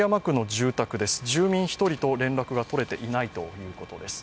住民１人と連絡がとれていないということです。